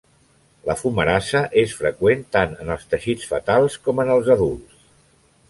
La fumarasa és freqüent tant en els teixits fetals com en els adults.